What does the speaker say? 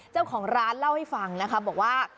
เจ้าของร้านเล่าให้ฟังนะคะบอกว่า